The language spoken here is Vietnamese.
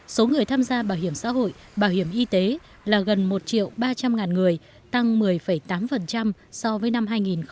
số người tham gia bảo hiểm xã hội bảo hiểm y tế là gần một ba trăm linh người tăng một mươi tám so với năm hai nghìn một mươi